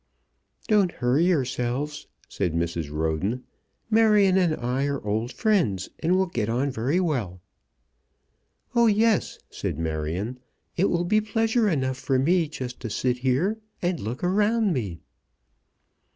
"Don't hurry yourselves," said Mrs. Roden. "Marion and I are old friends, and will get on very well." "Oh yes," said Marion. "It will be pleasure enough to me just to sit here and look around me."